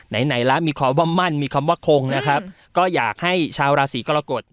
ไหนไหนละมีความว่ามั่นมีคำว่าคงนะครับก็อยากให้ชาวราศีกรกฎ